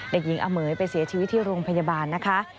เด็กหญิงอเมยไปเสียชีวิตที่โรงพยาบาลนะคะ